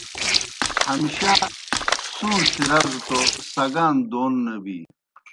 ہمشہ سُوݩڇھیْ رزہ توْ سگان دون نہ بی